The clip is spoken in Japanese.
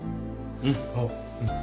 うん。